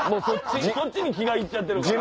そっちに気が行っちゃってる。